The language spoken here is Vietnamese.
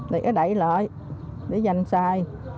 để đẩy lại để dành xài